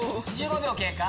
１５秒経過。